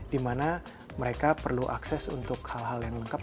di mana mereka perlu akses untuk hal hal yang lengkap